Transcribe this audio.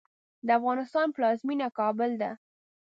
د افغانستان پلازمېنه کابل ده